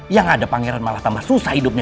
yang ada pangeran malah tambah susah hidupnya